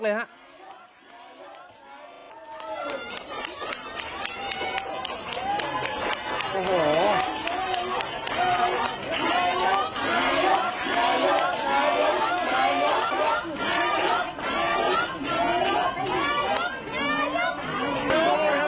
ใจยุกใจยุกใจยุกใจยุก